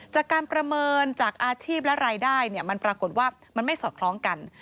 จากการประเมินจากอาชีพและรายได้มันปรากฏว่ามันไม่สอดคล้องกัน